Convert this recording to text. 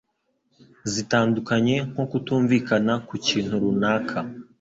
zitandukanye nko kutumvikana ku kintu runaka